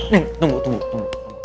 neng tunggu tunggu